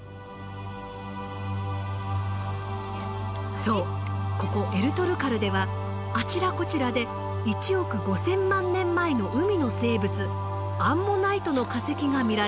そうここエルトルカルではあちらこちらで１億５，０００万年前の海の生物アンモナイトの化石が見られます。